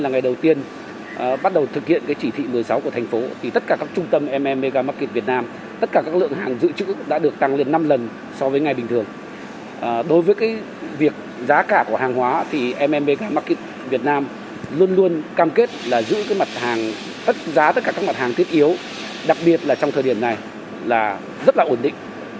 giá tất cả các mặt hàng tiết yếu đặc biệt là trong thời điểm này là rất là ổn định